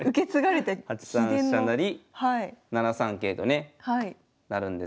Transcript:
８三飛車成７三桂とねなるんですが。